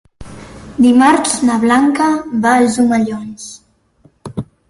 Dimarts na Blanca va als Omellons.